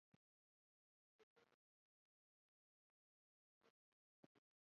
دا هر څه په دې وجه کېږي چې پښتون نارینتوب جلا شوی.